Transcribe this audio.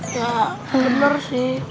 ya benar sih